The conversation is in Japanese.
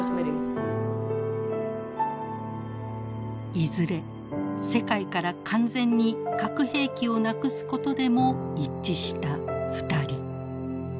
いずれ世界から完全に核兵器をなくすことでも一致した２人。